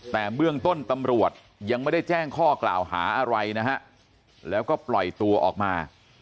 แต่เบื้องต้นตำรวจยังไม่ได้แจ้งข้อกล่าวหาอะไรนะฮะแล้วก็ปล่อยตัวออกมา